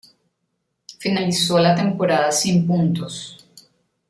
Finalizó la temporada sin puntos.